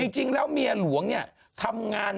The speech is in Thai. จริงแล้วเมียหลวงเนี่ยทำงาน